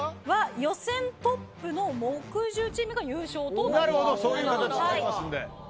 予選トップの木１０チームが優勝となります。